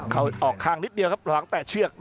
เขาออกข้างนิดเดียวครับหลังแตะเชือก